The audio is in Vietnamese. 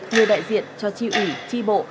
người đại diện cho tri ủy tri bộ